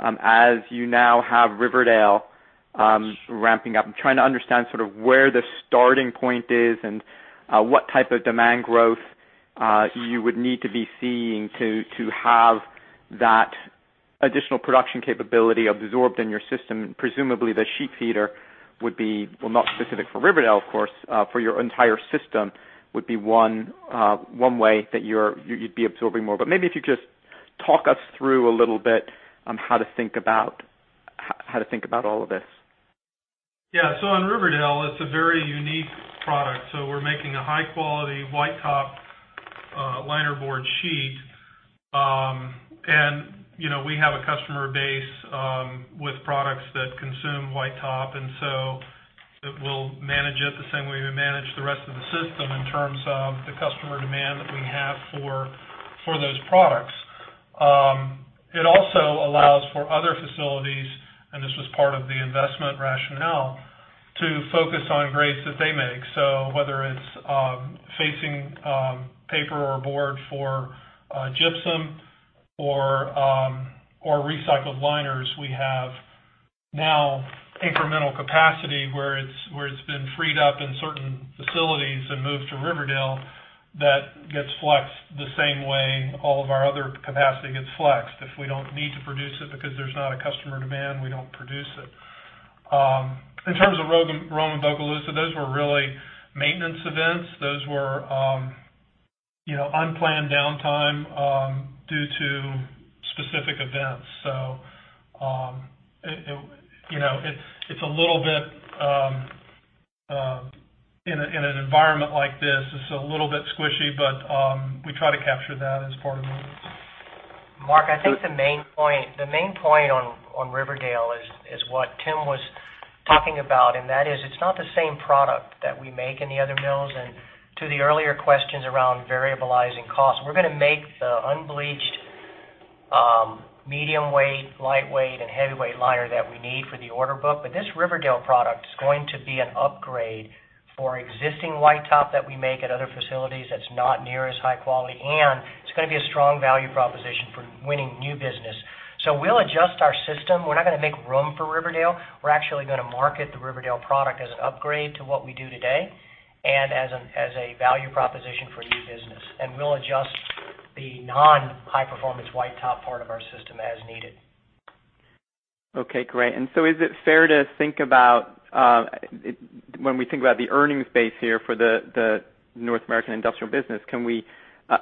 as you now have Riverdale ramping up, I'm trying to understand sort of where the starting point is and what type of demand growth you would need to be seeing to have that additional production capability absorbed in your system. Presumably, the sheet feeder would be not specific for Riverdale, of course, for your entire system would be one way that you'd be absorbing more. But maybe if you could just talk us through a little bit on how to think about how to think about all of this. Yeah. On Riverdale, it's a very unique product. We're making a high-quality white-top linerboard sheet. And we have a customer base with products that consume white-top. And so we'll manage it the same way we manage the rest of the system in terms of the customer demand that we have for those products. It also allows for other facilities, and this was part of the investment rationale, to focus on grades that they make. So whether it's facing paper or board for gypsum or recycled liners, we have now incremental capacity where it's been freed up in certain facilities and moved to Riverdale that gets flexed the same way all of our other capacity gets flexed. If we don't need to produce it because there's not a customer demand, we don't produce it. In terms of Rome and Bogalusa, those were really maintenance events. Those were unplanned downtime due to specific events. So it's a little bit in an environment like this, it's a little bit squishy, but we try to capture that as part of it. Mark, I think the main point on Riverdale is what Tim was talking about, and that is it's not the same product that we make in the other mills. And to the earlier questions around variabilizing costs, we're going to make the unbleached medium-weight, light-weight, and heavy-weight liner that we need for the order book. But this Riverdale product is going to be an upgrade for existing white-top that we make at other facilities that's not near as high quality. And it's going to be a strong value proposition for winning new business. So we'll adjust our system. We're not going to make room for Riverdale. We're actually going to market the Riverdale product as an upgrade to what we do today and as a value proposition for new business, and we'll adjust the non-high-performance white-top part of our system as needed. Okay. Great, and so is it fair to think about when we think about the earnings base here for the North American industrial business, can we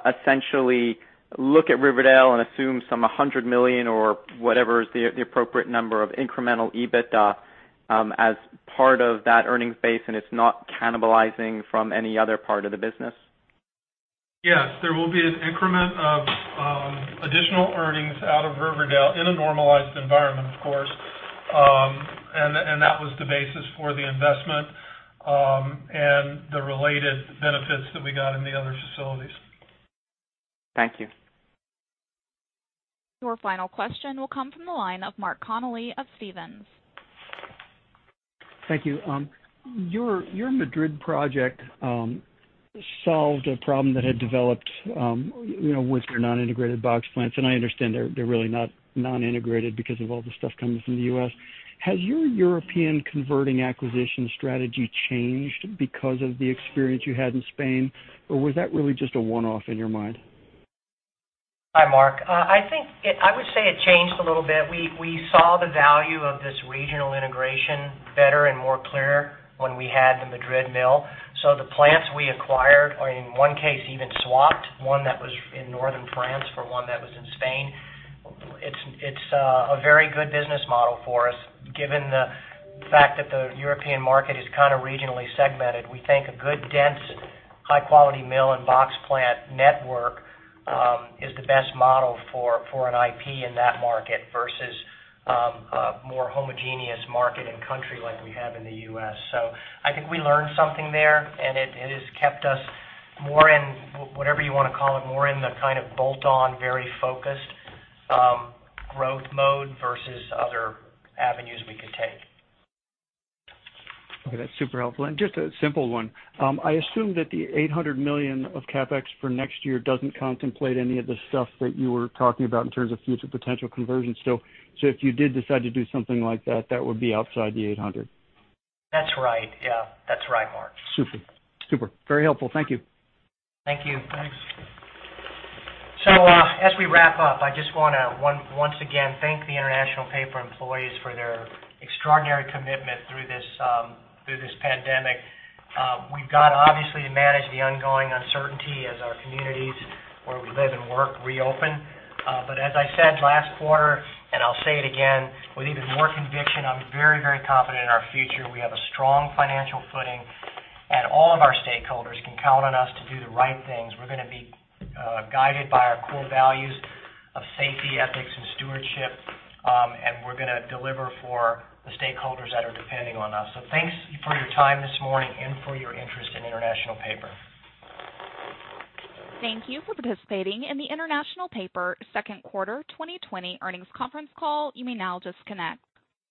essentially look at Riverdale and assume some $100 million or whatever is the appropriate number of incremental EBITDA as part of that earnings base and it's not cannibalizing from any other part of the business? Yes. There will be an increment of additional earnings out of Riverdale in a normalized environment, of course, and that was the basis for the investment and the related benefits that we got in the other facilities. Thank you. Your final question will come from the line of Mark Connelly of Stephens. Thank you. Your Madrid project solved a problem that had developed with your non-integrated box plants, and I understand they're really not non-integrated because of all the stuff coming from the U.S. Has your European converting acquisition strategy changed because of the experience you had in Spain, or was that really just a one-off in your mind? Hi, Mark. I would say it changed a little bit. We saw the value of this regional integration better and more clearer when we had the Madrid mill, so the plants we acquired are, in one case, even swapped one that was in northern France for one that was in Spain. It's a very good business model for us. Given the fact that the European market is kind of regionally segmented, we think a good, dense, high-quality mill and box plant network is the best model for an IP in that market versus a more homogeneous market and country like we have in the U.S. So I think we learned something there, and it has kept us more in, whatever you want to call it, more in the kind of bolt-on, very focused growth mode versus other avenues we could take. Okay. That's super helpful. And just a simple one. I assume that the $800 million of CapEx for next year doesn't contemplate any of the stuff that you were talking about in terms of future potential conversions. So if you did decide to do something like that, that would be outside the $800 million. That's right. Yeah. That's right, Mark. Super. Super. Very helpful. Thank you. Thank you. Thanks. So as we wrap up, I just want to once again thank the International Paper employees for their extraordinary commitment through this pandemic. We've got to, obviously, manage the ongoing uncertainty as our communities where we live and work reopen. But as I said last quarter, and I'll say it again with even more conviction, I'm very, very confident in our future. We have a strong financial footing, and all of our stakeholders can count on us to do the right things. We're going to be guided by our core values of safety, ethics, and stewardship, and we're going to deliver for the stakeholders that are depending on us. So thanks for your time this morning and for your interest in International Paper. Thank you for participating in the International Paper second quarter 2020 earnings conference call. You may now disconnect.